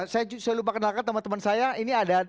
saya lupa kenalkan teman teman saya ini ada